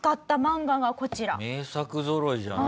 名作ぞろいじゃん。